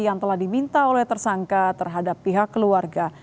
yang telah diminta oleh tersangka terhadap pihak keluarga